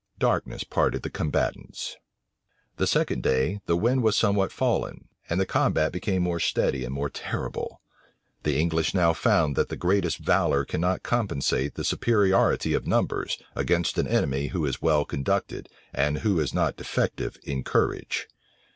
Darkness parted the combatants. The second day, the wind was somewhat fallen, and the combat became more steady and more terrible. The English now found, that the greatest valor cannot compensate the superiority of numbers, against an enemy who is well conducted, and who is not defective in courage.